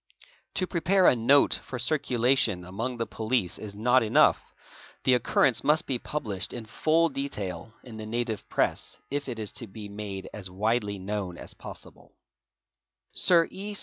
To prepare a note for circulation among the police is not enough, the occurrence must be published in full detail in the native — press if it is to be made as widely known as possible "®), Sir H.